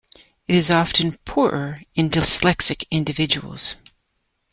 It is often poorer in dyslexic individuals.